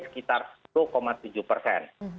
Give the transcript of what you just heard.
sekitar sepuluh tujuh persen